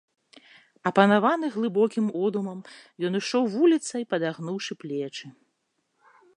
Апанаваны глыбокім одумам, ён ішоў вуліцай, падагнуўшы плечы.